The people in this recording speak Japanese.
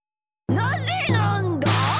なぜなんだ！？